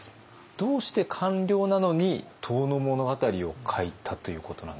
どうして官僚なのに「遠野物語」を書いたということなんですか？